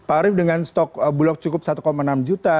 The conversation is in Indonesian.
pak arief dengan stok bulog cukup satu enam juta